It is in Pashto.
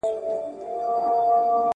داخلي صنعت مو په هغه وخت کي وروسته پاته و.